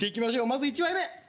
まず１枚目！